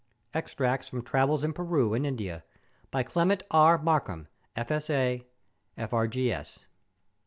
Extracts from Travels in Pern and India, by Clement E. Markham, F.S.A., F.E.Gr.S.